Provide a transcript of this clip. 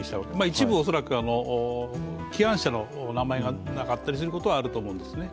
一部、恐らく起案者の名前がなかったりすることはあると思うんですね。